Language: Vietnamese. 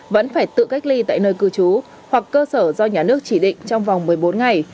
vẫn phải tự cách ly tại nơi cư trú hoặc cơ sở do nhà nước chỉ định trong vòng một mươi bốn ngày